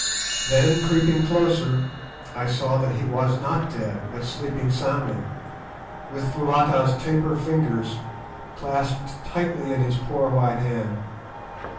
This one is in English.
Then, creeping closer, I saw that he was not dead, but sleeping soundly, with Foulata's taper fingers clasped tightly in his poor white hand.